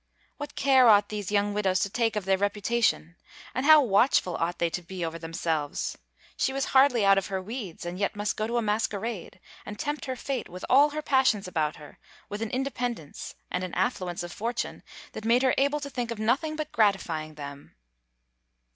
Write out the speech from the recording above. What care ought these young widows to take of their reputation? And how watchful ought they to be over themselves! She was hardly out of her weeds, and yet must go to a masquerade, and tempt her fate, with all her passions about her, with an independence, and an affluence of fortune, that made her able to think of nothing but gratifying them.